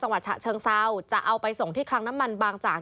ฉะเชิงเซาจะเอาไปส่งที่คลังน้ำมันบางจาก